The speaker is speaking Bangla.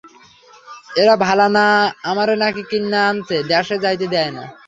এরা ভালা না, আমারে নাকি কিন্যা আনছে, দ্যাশে যাইতে দেয় না।